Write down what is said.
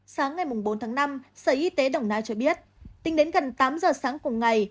sáng ngày bốn tháng năm sở y tế đồng nai cho biết tính đến gần tám giờ sáng cùng ngày